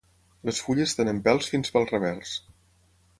Les fulles tenen pèls fins pel revers.